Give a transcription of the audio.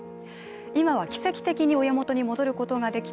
今は奇跡的に親元に戻ることができた